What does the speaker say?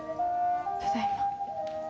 ただいま。